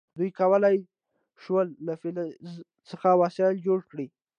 دوی وکولی شول له فلز څخه وسایل جوړ کړي.